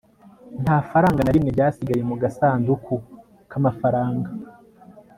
nta faranga na rimwe ryasigaye mu gasanduku k'amafaranga